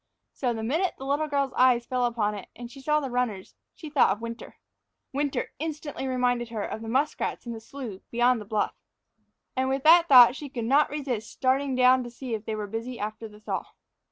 So the minute the little girl's eyes fell upon it and she saw the runners, she thought of winter. Winter instantly reminded her of the muskrats in the slough below the bluff. And with that thought she could not resist starting down to see if they were busy after the thaw.